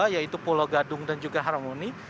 yaitu pulau gadung dan juga harmoni